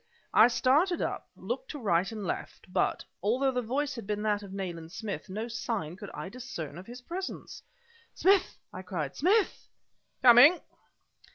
I started up, looked to right and left; but, although the voice had been that of Nayland Smith, no sign could I discern of his presence! "Smith!" I cried "Smith!" "Coming!"